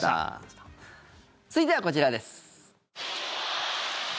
続いてはこちらです。